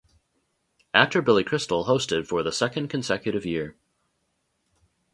Actor Billy Crystal hosted for the second consecutive year.